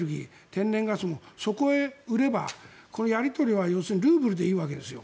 天然ガスもそこへ売ればやり取りはルーブルでいいわけですよ。